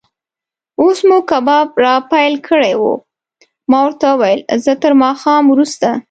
اوس مو کباب را پیل کړی و، ما ورته وویل: زه تر ماښام وروسته.